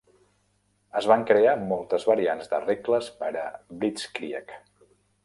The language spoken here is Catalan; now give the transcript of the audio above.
Es van crear moltes variants de regles per a "Blitzkrieg".